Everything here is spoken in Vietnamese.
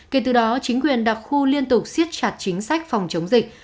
kể từ đó chính quyền đặc khu liên tục siết chặt chính sách phòng chống dịch